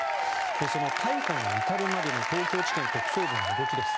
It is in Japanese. その逮捕に至るまでの東京地検特捜部の動きです。